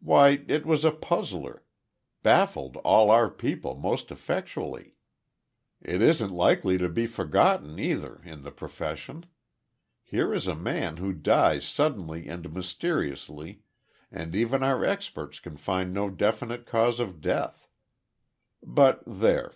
Why it was a puzzler baffled all our people most effectually. It isn't likely to be forgotten either in the profession. Here is a man who dies suddenly and mysteriously, and even our experts can find no definite cause of death. But, there.